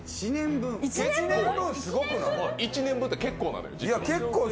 １年分って結構なのよ。